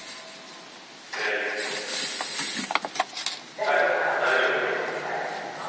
材料からお願いいたします。